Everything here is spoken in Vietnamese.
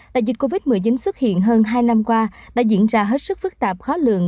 tại dịch covid một mươi chín xuất hiện hơn hai năm qua đã diễn ra hết sức phức tạp khó lượng